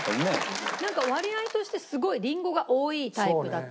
なんか割合としてすごいりんごが多いタイプだった。